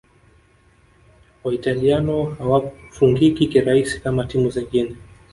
Waitaliano hawafungiki kirahisi kama timu zingine